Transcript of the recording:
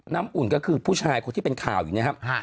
น้ำอุ่นก็คือผู้ชายคนที่เป็นข่าวอย่างนี้